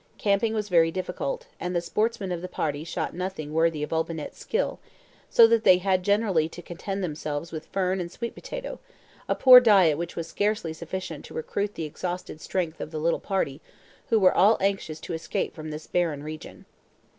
Camping was very difficult, and the sportsmen of the party shot nothing worthy of Olbinett's skill; so that they had generally to content themselves with fern and sweet potato a poor diet which was scarcely sufficient to recruit the exhausted strength of the little party, who were all anxious to escape from this barren region.